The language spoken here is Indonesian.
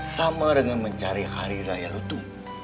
sama dengan mencari hari raya lu itu